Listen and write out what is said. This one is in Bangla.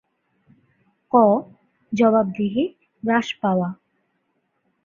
ক. জবাবদিহি হ্রাস পাওয়া